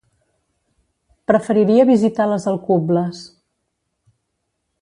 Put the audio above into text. Preferiria visitar les Alcubles.